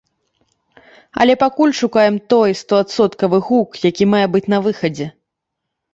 Але пакуль шукаем той стоадсоткавы гук, які мае быць на выхадзе.